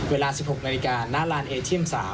เวลา๑๖นาฬิกาณลานเอเทียม๓